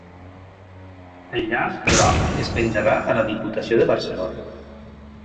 El llaç groc es penjarà a la Diputació de Barcelona